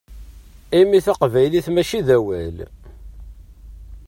Imi taqbaylit mačči d awal.